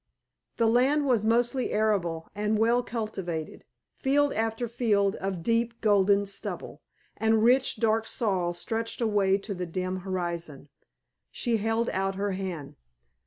The land was mostly arable and well cultivated; field after field of deep golden stubble, and rich, dark soil stretched away to the dim horizon. She held out her hand.